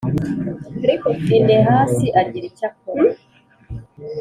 Finehasi agira icyo akora